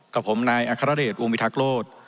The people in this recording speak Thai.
กับผมนายอัครเดชวงวิทักษ์โลศ